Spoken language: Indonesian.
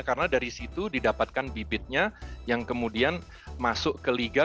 karena dari situ didapatkan bibitnya yang kemudian masuk ke liga